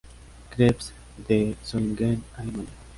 Krebs" de Solingen, Alemania.